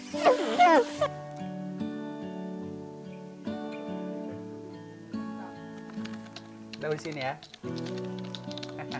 kamu disini deh